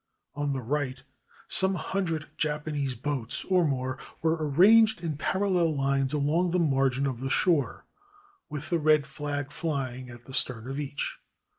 On the right some hundred Japanese boats, or more, were arranged in par allel lines along the margin of the shore, with a red flag flying at the stern of each.